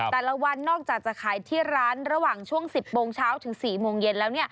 แต่ละวันนอกจากจะขายที่ร้านระหว่างช่วง๑๐โมงเช้าถึง๔โมงเย็นแล้ว